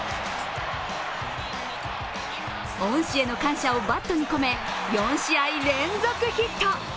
恩師への感謝をバットに込め４試合連続ヒット。